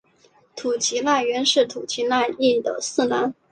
土岐赖元是土岐赖艺的四男。